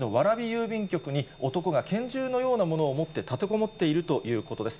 郵便局に、男が拳銃のようなものを持って立てこもっているということです。